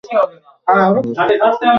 কিন্ত তার চোখগুলো সুস্পষ্ট দেখেছিলাম।